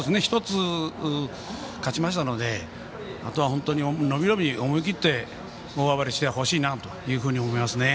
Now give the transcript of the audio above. １つ勝ちましたのであとは本当に伸び伸び思い切って大暴れしてほしいなと思います。